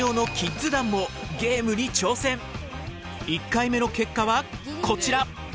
１回目の結果はこちら。